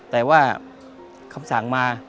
แต่ว่าคำสั่งมา